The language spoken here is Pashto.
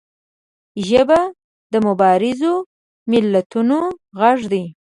ژبه د مبارزو ملتونو غږ دی